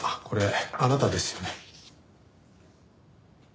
これあなたですよね？